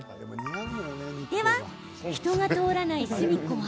では、人が通らない隅っこは。